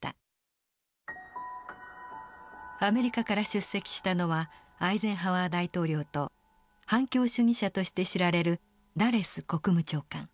アメリカから出席したのはアイゼンハワー大統領と反共主義者として知られるダレス国務長官。